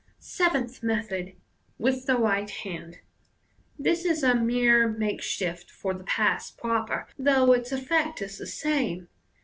Seventh Method. (With the right hand.) — This is a mere makeshift for the pass proper, though its effect is the same.